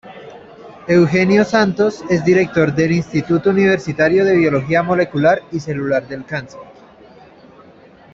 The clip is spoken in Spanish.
Eugenio Santos es director del "Instituto Universitario de Biología Molecular y Celular del Cáncer".